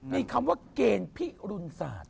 มีคำว่าเกณฑ์พิรุณศาสตร์